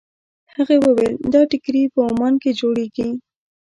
هغې وویل دا ټیکري په عمان کې جوړېږي.